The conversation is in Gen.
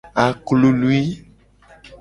Aklului.